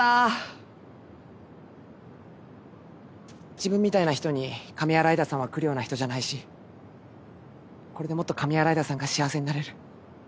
自分みたいな人に上新井田さんはくるような人じゃないしこれでもっと上新井田さんが幸せになれる。